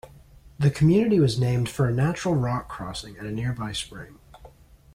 The community was named for a natural rock crossing at a nearby spring.